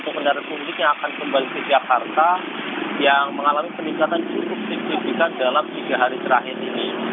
untuk kendaraan pemudik yang akan kembali ke jakarta yang mengalami peningkatan cukup signifikan dalam tiga hari terakhir ini